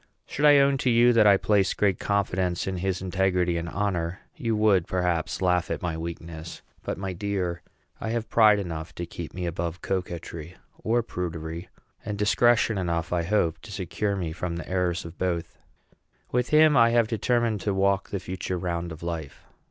Should I own to you that I place great confidence in his integrity and honor, you would, perhaps, laugh at my weakness; but, my dear, I have pride enough to keep me above coquetry or prudery, and discretion enough, I hope, to secure me from the errors of both. With him I am determined to walk the future round of life.